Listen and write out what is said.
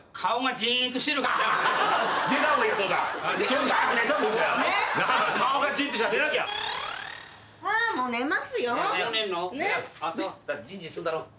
じんじんすんだろ？